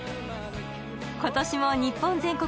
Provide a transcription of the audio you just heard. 今年も日本全国